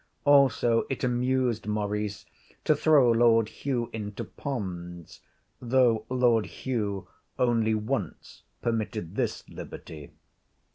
Also it amused Maurice to throw Lord Hugh into ponds, though Lord Hugh only once permitted this liberty.